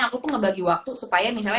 aku tuh ngebagi waktu supaya misalnya